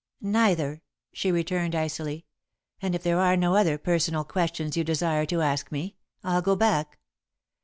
"Neither," she returned, icily, "and if there are no other personal questions you desire to ask me, I'll go back."